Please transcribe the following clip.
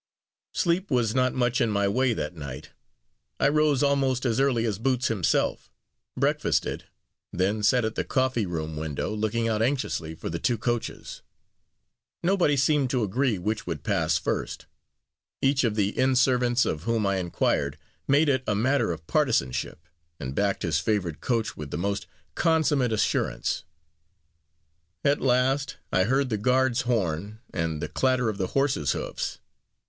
Sleep was not much in my way that night. I rose almost as early as Boots himself breakfasted then sat at the coffee room window looking out anxiously for the two coaches. Nobody seemed to agree which would pass first. Each of the inn servants of whom I inquired made it a matter of partisanship, and backed his favorite coach with the most consummate assurance. At last, I heard the guard's horn and the clatter of the horses' hoofs.